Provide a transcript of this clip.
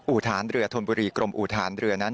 ฐานเรือธนบุรีกรมอุทานเรือนั้น